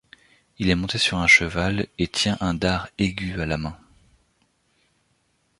Il est monté sur un cheval et tient un dard aigu à la main.